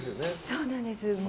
そうなんです。